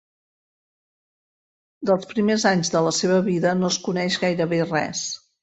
Dels primers anys de la seva vida, no es coneix gairebé res.